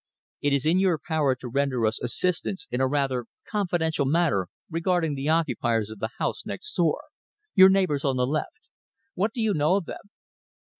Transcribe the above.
It is in your power to render us assistance in a rather confidential matter regarding the occupiers of the house next door your neighbours on the left. What do you know of them?"